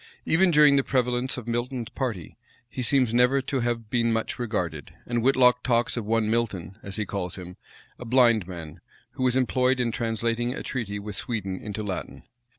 Even during the prevalence of Milton's party, he seems never to have been much regarded, and Whitlocke talks of one Milton, as he calls him, a blind man, who was employed in translating a treaty with Sweden into Latin.